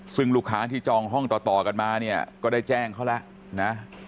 ซึ่งลูกค้าที่จองห้องต่อกันมาเนี่ยก็ได้แจ้งเขาแล้วนะ